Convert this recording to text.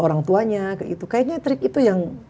orang tuanya itu kayaknya trik itu yang